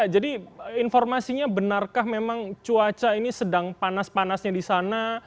jadi informasinya benarkah memang cuaca ini sedang panas panasnya di sana